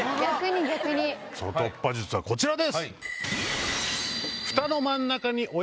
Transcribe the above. その突破術はこちらです。